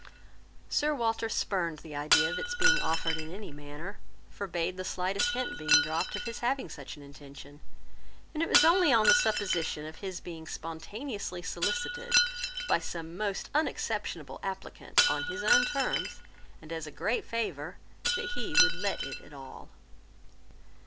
Sir Walter spurned the idea of its being offered in any manner; forbad the slightest hint being dropped of his having such an intention; and it was only on the supposition of his being spontaneously solicited by some most unexceptionable applicant, on his own terms, and as a great favour, that he would let it at all.